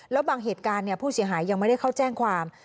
แล้วบางเหตุการณ์ผู้เสียหายยังไม่ได้เข้าแจ้งความ